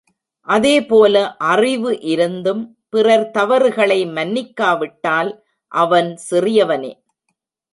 அதேபோல அறிவுஇருந்தும் பிறர் தவறுகளை மன்னிக்காவிட்டால் அவன் சிறியவனே.